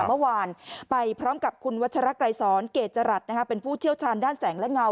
เมื่อวานไปพร้อมกับคุณวัชรไกรสอนเกจรัฐเป็นผู้เชี่ยวชาญด้านแสงและเงา